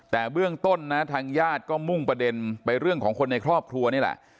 แต่เบื้องต้นนะทางญาติก็มุ่งประเด็นไปเรื่องของคนในครอบครัวนี่แหละ